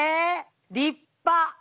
立派！